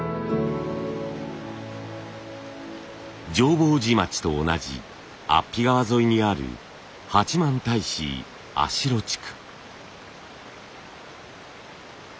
浄法寺町と同じ安比川沿いにある八幡平市安代地区。